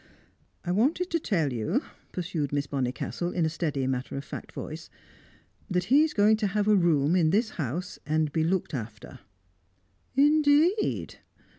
"I wanted to tell you," pursued Miss Bonnicastle, in a steady, matter of fact voice, "that he's going to have a room in this house, and be looked after." "Indeed?"